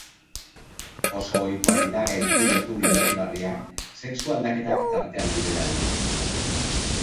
Oso ohikoak dira gaizki ulertu dibertigarriak sexu aldaketak tartean direlarik.